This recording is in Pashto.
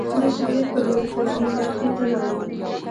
د سهیل پر لور کورنۍ برخې ته لاړو.